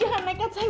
hei jangan naik